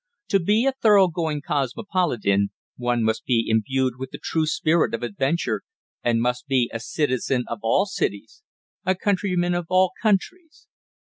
To be a thorough going cosmopolitan one must be imbued with the true spirit of adventure, and must be a citizen of all cities, a countryman of all countries.